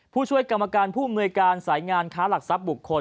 ผู้ช่วยกรรมการผู้อำนวยการสายงานค้าหลักทรัพย์บุคคล